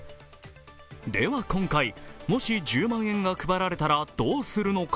では、今回もし１０万円が配られたらどうするのか。